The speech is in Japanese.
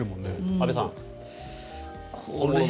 安部さんは？